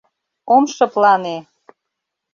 Ом шыплане!..